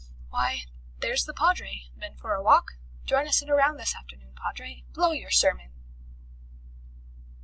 Why, there's the Padre. Been for a walk? Join us in a round this afternoon, Padre! Blow your sermon!"